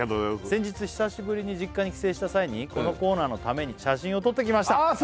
「先日久しぶりに実家に帰省した際に」「このコーナーのために写真を撮ってきました」